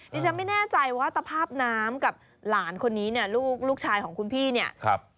ดิฉันไม่แน่ใจว่าสภาพน้ำกับหลานคนนี้เนี่ยลูกลูกชายของคุณพี่เนี่ย